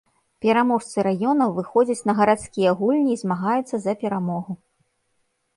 Пераможцы раёнаў выходзяць на гарадскія гульні і змагаюцца за перамогу.